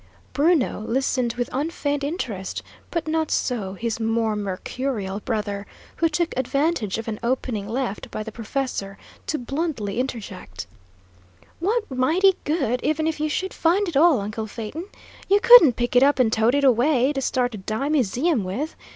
Bruno listened with unfeigned interest, but not so his more mercurial brother, who took advantage of an opening left by the professor, to bluntly interject: "What mighty good, even if you should find it all, uncle Phaeton? You couldn't pick it up and tote it away, to start a dime museum with.